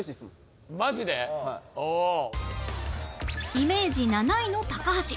イメージ７位の高橋